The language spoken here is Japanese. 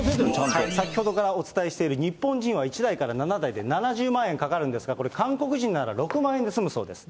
先ほどからお伝えしている、日本人は１代から７代で７０万円かかるんですが、これ、韓国人なら６万円で済むそうです。